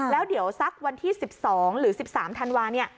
แล้วเดี๋ยวสักวันที่๑๒หรือ๑๓ธันวาเนี่ย